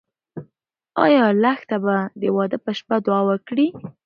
ایا لښته به د واده په شپه دعا وکړي؟